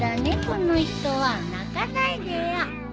この人は泣かないでよ。